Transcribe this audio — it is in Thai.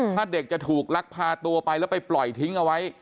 ถ้าเด็กจะถูกลักพาตัวไปแล้วไปปล่อยทิ้งเอาไว้